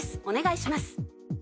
お願いします。